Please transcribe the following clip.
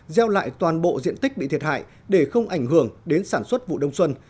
gieo lại toàn bộ diện tích bị thiệt hại để không ảnh hưởng đến sản xuất vụ đông xuân